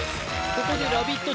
ここでラヴィット！